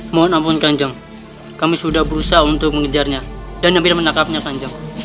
mohon ampun kanjeng kami sudah berusaha untuk mengejarnya dan hampir menangkapnya panjang